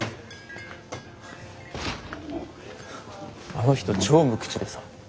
あの人超無口でさ。